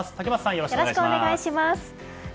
よろしくお願いします。